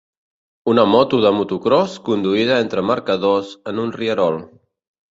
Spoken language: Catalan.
Una moto de motocròs conduïda entre marcadors en un rierol.